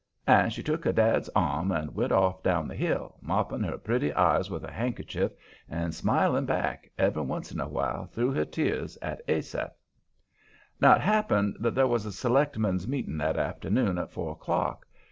And she took her dad's arm and went off down the hill, mopping her pretty eyes with her handkerchief and smiling back, every once in a while, through her tears, at Asaph. Now, it happened that there was a selectmen's meeting that afternoon at four o'clock.